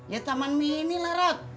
ya taman mini lah rod